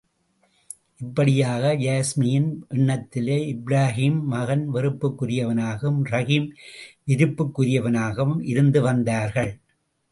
இப்படியாக, யாஸ்மியின் எண்ணத்திலே இப்ராஹீம் மகன் வெறுப்புக் குரியவனாகவும் ரஹீம் விருப்புக்குரியவனாகவும் இருந்து வந்தார்கள்.